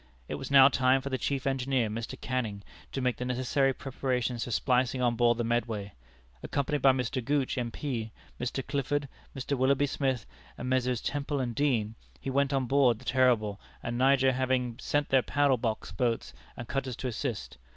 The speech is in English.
It was now time for the chief engineer, Mr. Canning, to make the necessary preparations for splicing on board the Medway. Accompanied by Mr. Gooch, M.P., Mr. Clifford, Mr. Willoughby Smith, and Messrs. Temple and Deane, he went on board, the Terrible and Niger having sent their paddle box boats and cutters to assist.